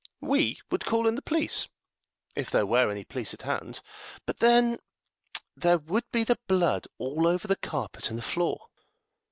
"We would call in the police, if there were any police at hand. But then there would be the blood all over the carpet and the floor."